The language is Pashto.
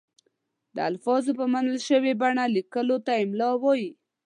د الفاظو په منل شوې بڼه لیکلو ته املاء وايي.